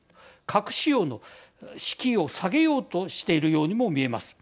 核使用のしきいを下げようとしているようにも見えます。